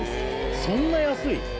そんな安い？